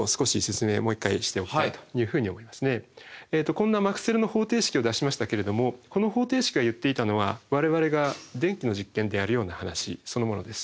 こんなマクスウェルの方程式を出しましたけれどもこの方程式が言っていたのは我々が電気の実験でやるような話そのものです。